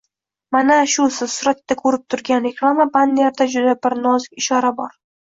Mana shu siz suratda ko‘rib turgan reklama bannerida juda bir nozik ishora bor!